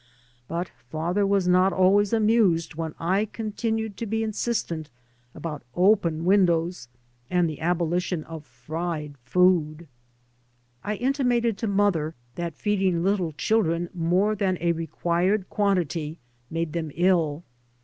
But father was not always amused when I continued to be insistent about open windows and the abolition of fried food. I intimated to mother that feeding very 1:791 3 by Google MY MOTHER AND 1 little children more than a required quantity made them ill.